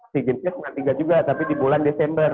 si gin sih lapan tiga juga tapi di bulan desember